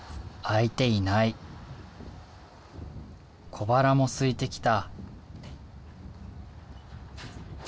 小腹もすいてきた。